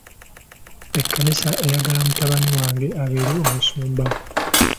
Ekkanisa eyagala mutabani wange abeere omusumba.